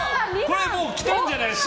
これもう来たんじゃないんですか。